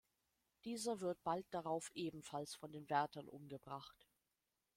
Dieser wird bald darauf ebenfalls von den Wärtern umgebracht.